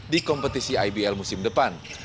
di kompetisi ibl musim depan